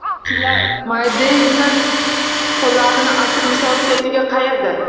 Militsiyachilar Madievni qo‘llarini asir misol ketiga qayirdi.